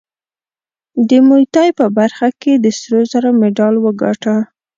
د موی تای په برخه کې د سرو زرو مډال وګاټه